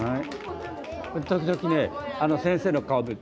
時々ね先生の顔見る。